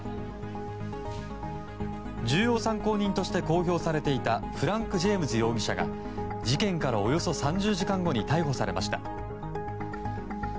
重要参考人として公表されていたフランク・ジェームス容疑者が事件からおよそ３０時間後に逮捕されました。